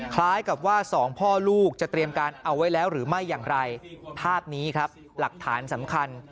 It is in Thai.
คล้ายกับว่าสองพ่อลูกจะเตรียมการเอาไว้แล้วหรือไม่อย่างไรภาพนี้ครับหลักฐานสำคัญ